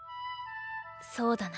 そうだな。